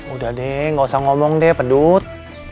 udah deh gak usah ngomong deh pedut